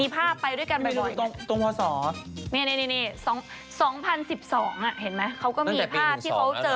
๕ปี